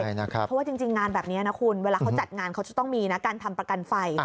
เพราะว่าว่าจัดงานแบบนี้เขาจะต้องมีการทำประกันไฟ